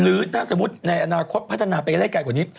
หรือถ้าสมมุติในอนาคตพัฒนาไปก็ได้ไกลกว่านี้